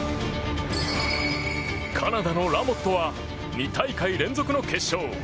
カナダのラモットは２大会連続の決勝。